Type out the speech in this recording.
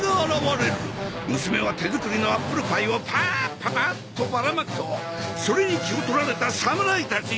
娘は手作りのアップルパイをパーッパパッとばらまくとそれに気を取られた侍たち。